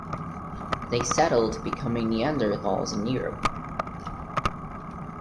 They settled becoming Neanderthals in Europe.